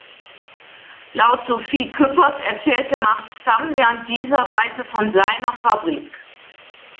Laut Sophie Küppers erzählte Mart Stam während dieser Reise von "seiner" Fabrik.